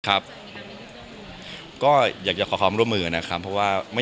ครับก็อยากจะขอความร่วมมือนะครับเพราะว่าไม่